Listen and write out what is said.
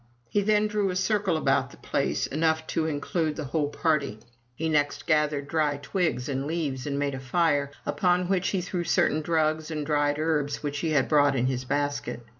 He then drew a circle about the place, enough to include the whole party. He MY BOOK HOUSE next gathered dry twigs and leaves and made a fire, upon which he threw certain drugs and dried herbs which he had brought in his basket.